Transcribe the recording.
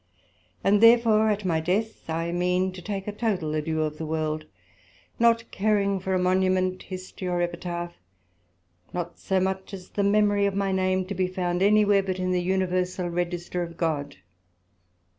And therefore at my death I mean to take a total adieu of the world, not caring for a Monument, History, or Epitaph, not so much as the memory of my name to be found any where, but in the universal Register of God.